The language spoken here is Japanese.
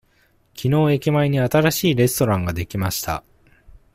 きのう駅前に新しいレストランができました。